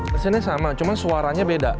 mesinnya sama cuma suaranya beda